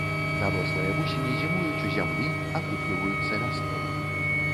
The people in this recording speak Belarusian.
Дарослыя вусені зімуюць у зямлі, акукліваюцца вясной.